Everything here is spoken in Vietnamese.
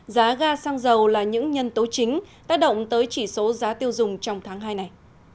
giá ga xăng dầu là những nhân tố chính tác động tới chỉ số giá tiêu dùng trong tháng hai này